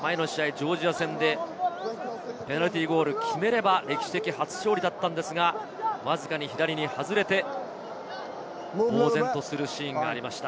ジョージア戦でペナルティーゴールを決めれば歴史的初勝利だったんですが、わずかに左に外れて呆然とするシーンがありました。